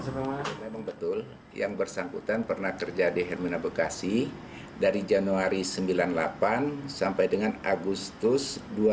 memang betul yang bersangkutan pernah kerja di hermina bekasi dari januari seribu sembilan ratus sembilan puluh delapan sampai dengan agustus dua ribu dua puluh